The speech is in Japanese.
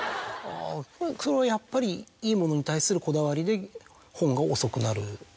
それはやっぱりいいものに対するこだわりで本が遅くなる？